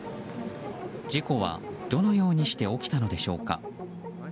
事故はどのようにして起きたのでしょうか。